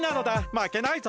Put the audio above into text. まけないぞ！